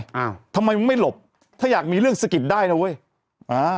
อ้าวทำไมมึงไม่หลบถ้าอยากมีเรื่องสะกิดได้นะเว้ยอ่า